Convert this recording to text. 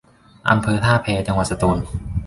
อำเภอท่าแพ จังหวัดสตูล